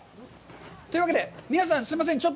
というわけで、皆さん、すいません。